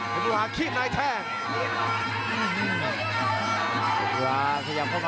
วิวาท้ายใกล้แท่ง